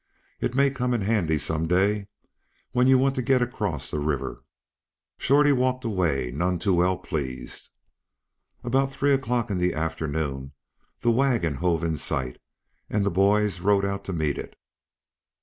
It may come in handy, some day, when you want to get across a river." Shorty walked away, none too well pleased. About three o'clock in the afternoon the wagon hove in sight, and the boys rode out to meet it.